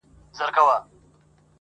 نه يې ورك سول په سرونو كي زخمونه!!